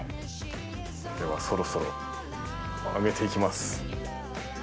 ではそろそろ上げて行きます。